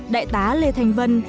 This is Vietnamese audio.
đại tá lê thành vân